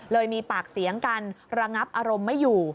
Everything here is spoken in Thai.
มีปากเสียงกันระงับอารมณ์ไม่อยู่